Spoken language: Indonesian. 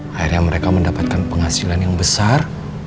akhirnya mereka mendapatkan penghasilan yang besar